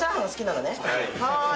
はい。